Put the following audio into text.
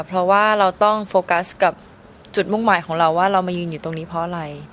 เพราะว่าเราต้องโฟกัสกับจุดมุ่งหมายของเราว่าเรามายืนอยู่ตรงนี้เพราะอะไร